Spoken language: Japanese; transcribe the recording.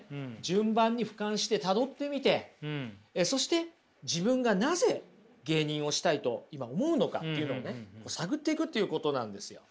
順番にふかんしてたどってみてそして自分がなぜ芸人をしたいと今思うのかっていうのをね探っていくということなんですよ。